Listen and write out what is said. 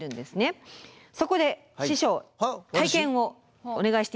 そこで師匠体験をお願いしていいですか。